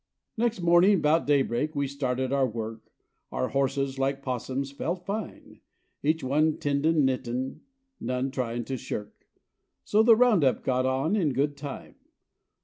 Next morning 'bout day break we started our work, Our horses, like 'possums, felt fine. Each one "tendin' knittin'," none tryin' to shirk! So the round up got on in good time.